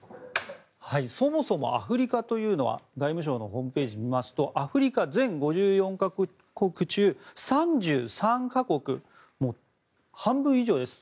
そもそもアフリカというのは外務省のホームページを見ますとアフリカ全５４か国中３３か国半分以上です。